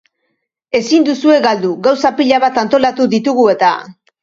Ezin duzue galdu, gauza pila bat antolatu ditugu eta!